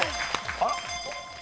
あっ。